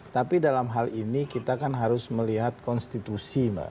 tapi dalam hal ini kita kan harus melihat konstitusi mbak